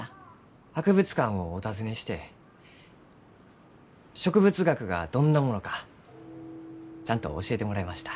博物館をお訪ねして植物学がどんなものかちゃんと教えてもらいました。